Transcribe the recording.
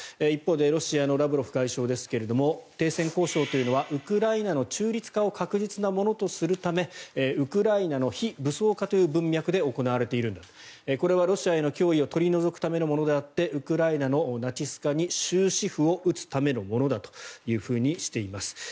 一方でロシアのラブロフ外相ですが停戦交渉というのはウクライナの中立化を確実なものとするためウクライナの非武装化という文脈で行われているこれはロシアへの脅威を取り除くためであってウクライナのナチス化に終止符を打つためのものだとしています。